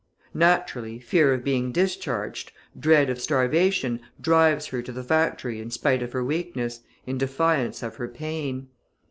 Naturally, fear of being discharged, dread of starvation drives her to the factory in spite of her weakness, in defiance of her pain.